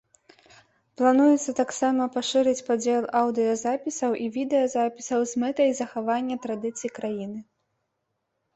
Плануецца таксама пашырыць падзел аўдыёзапісаў і відэазапісаў з мэтай захавання традыцый краіны.